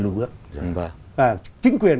lùi bước chính quyền